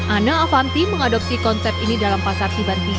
ana avanti mengadopsi konsep ini dalam pasar tiban tiga